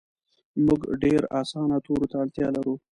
مونږ ډیر اسانه تورو ته اړتیا لرو